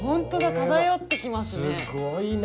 漂ってきますね。